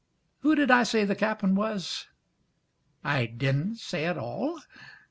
Who did I say the cap'n was? I didn't say at all?